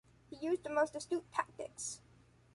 He used the most astute tactics.